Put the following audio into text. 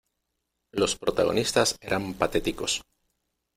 Los protagonistas eran patéticos.